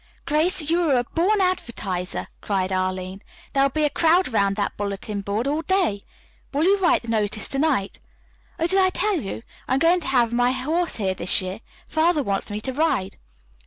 "Grace, you are a born advertiser," cried Arline. "There will be a crowd around that bulletin board all day. Will you write the notice to night? Oh, did I tell you? I'm going to have my horse here this year. Father wants me to ride."